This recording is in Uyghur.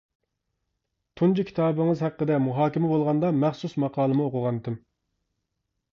تۇنجى كىتابىڭىز ھەققىدە مۇھاكىمە بولغاندا مەخسۇس ماقالىمۇ ئوقۇغانتىم.